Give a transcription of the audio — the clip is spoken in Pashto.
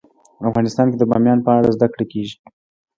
افغانستان کې د بامیان په اړه زده کړه کېږي.